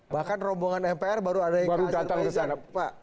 bahkan rombongan mpr baru ada yang ngasih ke pancasila